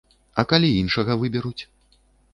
А калі іншага выберуць?